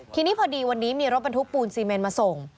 ทีนี้พอดีวันนี้มีรถบรรทุกปูนซีเมนมาส่ง